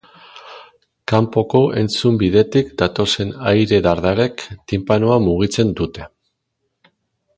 Kanpoko entzun bidetik datozen aire-dardarek tinpanoa mugitzen dute.